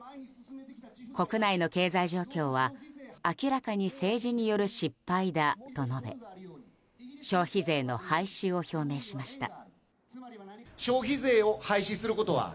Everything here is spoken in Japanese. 国内の経済状況は、明らかに政治による失敗だと述べ消費税の廃止を表明しました。